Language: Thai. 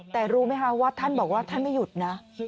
แต่รู้ไหมคะว่าท่านบอกว่าท่านไม่หยุดนะ